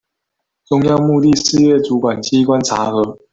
中央目的事業主管機關查核